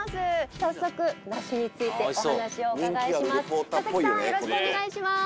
早速梨についてお話をお伺いします。